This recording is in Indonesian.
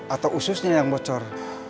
atau ususnya yang bocor